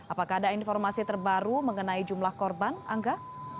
apakah ada informasi terbaru mengenai jumlah korban angga